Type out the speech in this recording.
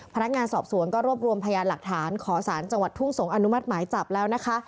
พนักงานสอบสวนก็รวบรวมพยานหลักฐานขอสารจังหวัดทุ่งสงศอนุมัติหมายจับแล้วนะคะ